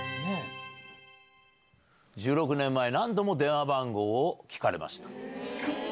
「１６年前何度も電話番号を聞かれました」。